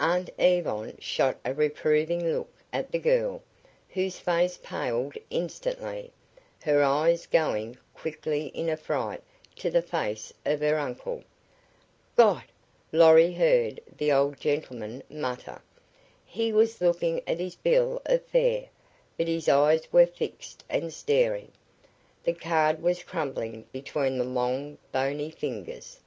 Aunt Yvonne shot a reproving look at the girl, whose face paled instantly, her eyes going quickly in affright to the face of her uncle. "God!" Lorry heard the old gentleman mutter. He was looking at his bill of fare, but his eyes were fixed and staring. The card was crumpling between the long, bony fingers.